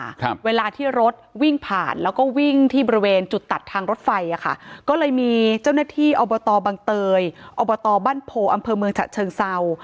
ครับเวลาที่รถวิ่งผ่านแล้วก็วิ่งที่บริเวณจุดตัดทางรถไฟอ่ะค่ะก็เลยมีเจ้าหน้าที่อบตบังเตยอบตบ้านโพอำเภอเมืองฉะเชิงเศร้า